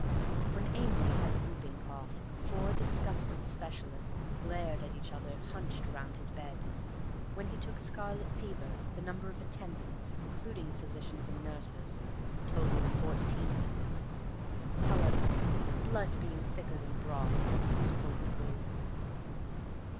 When Amory had the whooping cough four disgusted specialists glared at each other hunched around his bed; when he took scarlet fever the number of attendants, including physicians and nurses, totalled fourteen. However, blood being thicker than broth, he was pulled through.